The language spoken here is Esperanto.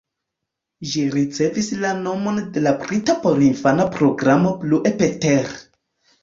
Ĝi ricevis la nomon de la brita porinfana programo Blue Peter.